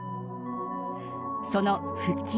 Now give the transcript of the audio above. その復帰